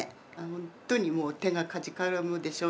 ほんとにもう手がかじかむでしょう